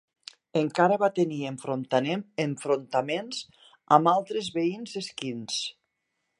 Encara va tenir enfrontaments amb altres veïns sikhs.